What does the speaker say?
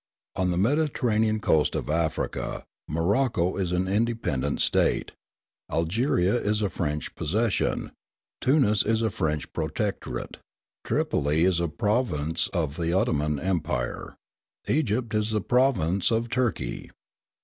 On the Mediterranean coast of Africa, Morocco is an independent State, Algeria is a French possession, Tunis is a French protectorate, Tripoli is a province of the Ottoman Empire, Egypt is a province of Turkey.